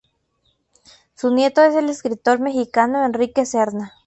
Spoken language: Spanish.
Su nieto es el escritor mexicano Enrique Serna.